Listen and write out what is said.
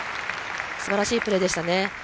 すばらしいプレーでした。